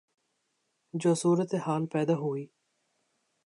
جو صورتحال پیدا ہوئی